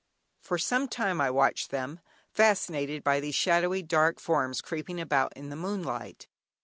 For some time I watched them, fascinated by these shadowy dark forms creeping about in the moonlight.